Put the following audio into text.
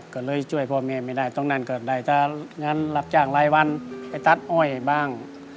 ก็เลยช่วยพ่อแม่ไม่ได้ตรงนั้นก็ได้แต่งานรับจ้างรายวันไปตัดอ้อยบ้าง